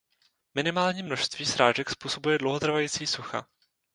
Minimální množství srážek způsobuje dlouhotrvající sucha.